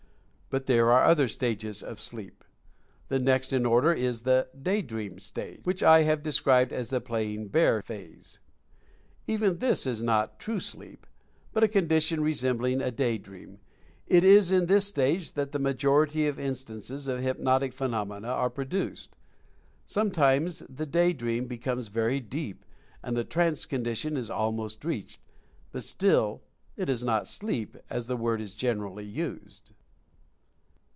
But there are other stages of "sleep." The next in order is the "day dream" stage, which I have described as the "playing bear" phase. Even this is not a true sleep, but a condition re sembling a day dream. It is in this stage that the majority of instances of hypnotic phenomena are pro duced. Sometimes the "day dream" becomes very deep, and the "trance" condition is almost reached. But still it is not "sleep" as the word is generally used.